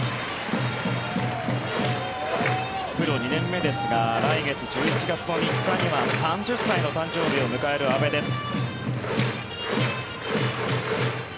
プロ２年目ですが来月１１月の３日には３０歳の誕生日を迎える阿部です。